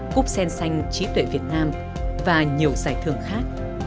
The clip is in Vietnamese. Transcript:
cúp sen xanh trí tuệ việt nam và nhiều giải thưởng khác